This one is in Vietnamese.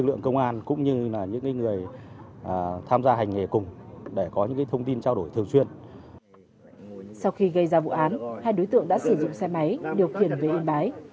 cơ quan công an nhận định đây là vụ án đặc biệt nghiêm trọng